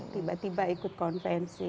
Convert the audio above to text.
tiba tiba ikut konvensi